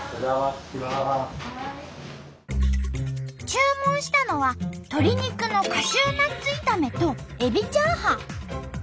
注文したのは鶏肉のカシューナッツ炒めとエビチャーハン。